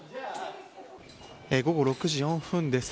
午後６時４分です。